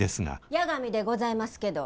八神でございますけど。